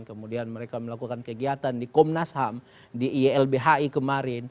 kemudian mereka melakukan kegiatan di komnas ham di ilbhi kemarin